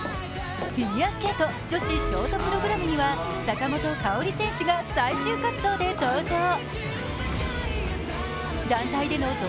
フィギュアスケート女子ショートプログラムには坂本花織選手が最終滑走で登場。